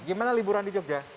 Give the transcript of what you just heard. gimana liburan di jogja